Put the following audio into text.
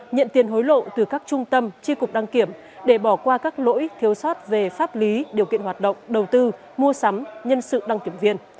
nhận tiền hối lộ từ các trung tâm tri cục đăng kiểm để bỏ qua các lỗi thiếu sót về pháp lý điều kiện hoạt động đầu tư mua sắm nhân sự đăng kiểm viên